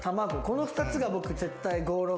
この２つが僕。